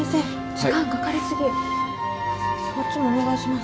時間かかり過ぎこっちもお願いします